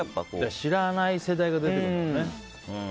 知らない世代が出てくるんだろうね。